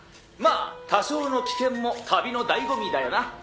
まあ多少の危険も旅の醍醐味だよな。